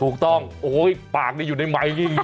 ถูกต้องโอ๊ยปากมีอยู่ในม้ายเอาออกไปเลย